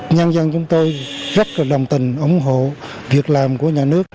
nhân dân chúng tôi rất đồng tình ủng hộ việc làm của nhà nước